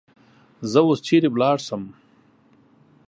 زه اوس چیری ولاړسم؟